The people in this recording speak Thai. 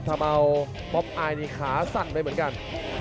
ทำเอาป๊อปอายนี่ขาสั่นไปเหมือนกัน